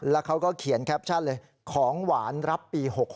แล้วเขาก็เขียนแคปชั่นเลยของหวานรับปี๖๖